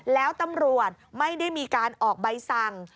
แล้วตำรวจไม่ได้มีการออกใบสั่ง